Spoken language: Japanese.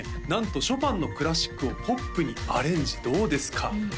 なんとショパンのクラシックをポップにアレンジどうですか？